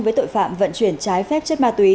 với tội phạm vận chuyển trái phép chất ma túy